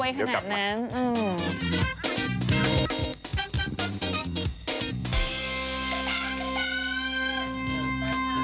อ้าวเดี๋ยวกลับมาบุยขนาดนั้นอืม